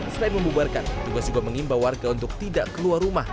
selain membubarkan tugas juga mengimbau warga untuk tidak keluar rumah